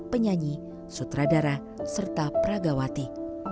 penyanyi sutradara serta pragawati